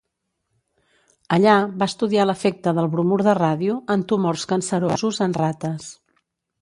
Allà va estudiar l'efecte del bromur de ràdio en tumors cancerosos en rates.